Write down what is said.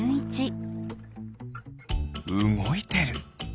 うごいてる。